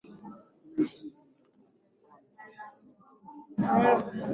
Mimi nawaombea hao siuombei ulimwengu bali hao ulionipa kwa kuwa hao ni wako